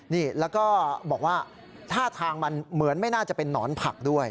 นี่แล้วก็บอกว่าท่าทางมันเหมือนไม่น่าจะเป็นนอนผักด้วย